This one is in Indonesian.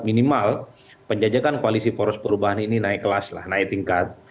minimal penjajakan koalisi poros perubahan ini naik kelas lah naik tingkat